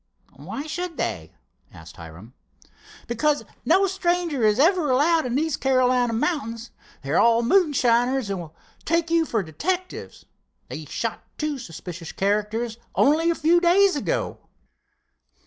"Why should they?" asked Hiram. "Because no stranger is ever allowed in these Carolina mountains. They are all moonshiners, and will take you for detectives. They shot two suspicious characters only a few days ago."